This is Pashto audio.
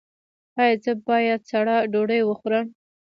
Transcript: ایا زه باید سړه ډوډۍ وخورم؟